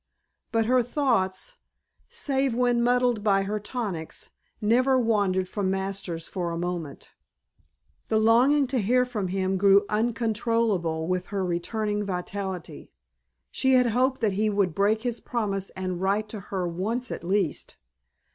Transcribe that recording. But her thoughts, save when muddled by her tonics, never wandered from Masters for a moment. The longing to hear from him grew uncontrollable with her returning vitality. She had hoped that he would break his promise and write to her once at least.